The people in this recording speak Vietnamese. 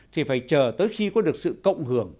thì phải chờ tới khi có được sự cộng hưởng